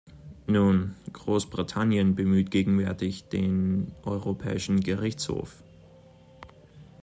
Nun, Großbritannien bemüht gegenwärtig den Europäischen Gerichtshof.